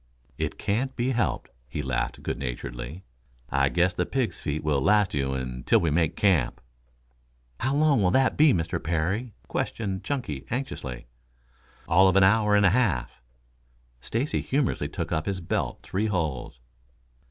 "It can't be helped," he laughed good naturedly. "I guess the pigs' feet will last you until we make camp." "How long will that be, Mr. Parry?" questioned Chunky anxiously. "All of an hour and a half." Stacy humorously took up his belt three holes.